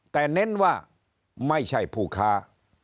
แต่เน้นว่าไม่ใช่ผู้ค้า